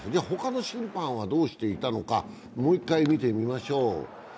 他の審判はどうしていたのか、もう一回見てみましょう。